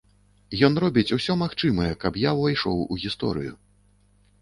Ён робіць усё магчымае, каб я ўвайшоў у гісторыю.